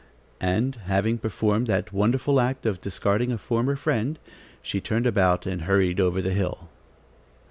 and having performed that wonderful act of discarding a former friend, she turned about and hurried over the hill.